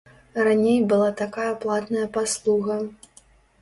Раней была такая платная паслуга.